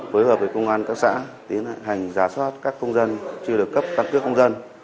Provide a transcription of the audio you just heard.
phối hợp với công an các xã tiến hành giả soát các công dân chưa được cấp căn cước công dân